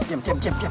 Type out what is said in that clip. diam diam diam diam